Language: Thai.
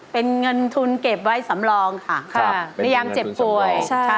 เป็นเงินทุนเก็บไว้สำรองค่ะพยายามเจ็บป่วย